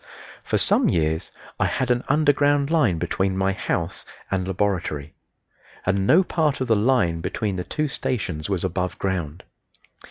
For some years I had an underground line between my house and laboratory, and no part of the line between the two stations was above ground.